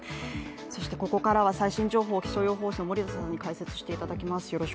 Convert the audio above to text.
ここからは最新情報を気象予報士の森田さんに解説していただきます。